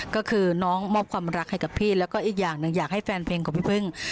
ก็คือน้องมอบความรักให้กับพี่แล้วก็อีกอย่างหนึ่งอยากให้แฟนเพลงของพี่พึ่ง